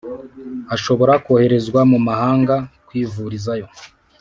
Ashobora koherezwa mu mahanga kwivurizayo